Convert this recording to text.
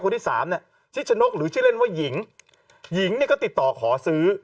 ที่สามเนี่ยชิดชนกหรือชื่อเล่นว่าหญิงหญิงเนี่ยก็ติดต่อขอซื้อ